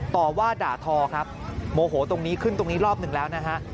ต่อว่าด่าทอครับโมโหตรงนี้ขึ้นตรงนี้รอบหนึ่งแล้วนะฮะ